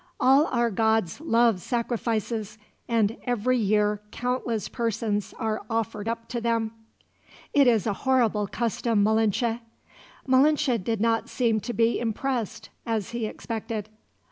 All our gods love sacrifices, and every year countless persons are offered up to them." "It is a horrible custom, Malinche." Malinche did not seem to be impressed, as he expected.